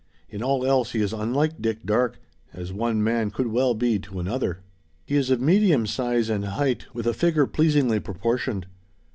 In all else he is unlike Dick Darke, as one man could well be to another. He is of medium size and height, with a figure pleasingly proportioned.